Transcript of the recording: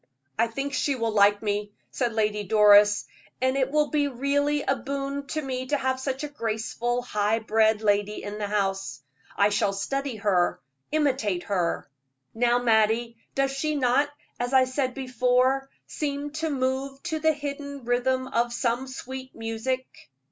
"I think she will like me," said Lady Doris, "and it will be really a boon to me to have such a graceful, high bred lady in the house. I shall study her, imitate her. Now, Mattie, does she not, as I said before, seem to move to the hidden rhythm of some sweet music?"